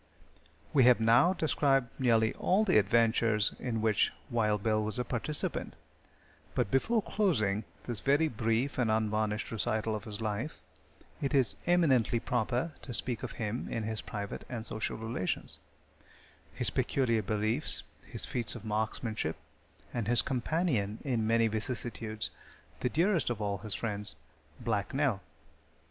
We have now described nearly all the adventures in which Wild Bill was a participant, but before closing this very brief and unvarnished recital of his life, it is eminently proper to speak of him in his private and social relations; his peculiar beliefs; his feats of marksmanship, and his companion in many vicissitudes the dearest of all his friends Black Nell.